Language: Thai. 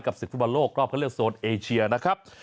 กับศิษย์ฟุตบอลโลกรอบเขาเรียกโซนเอเชียนะครับ